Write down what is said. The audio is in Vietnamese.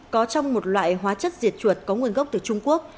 có trong một loại hóa chất diệt chuột có nguồn gốc từ trung quốc